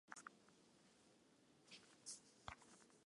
Zerua garbi agertuko da lurralde osoan.